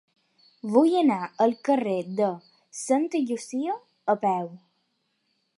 Vull anar al carrer de Santa Llúcia a peu.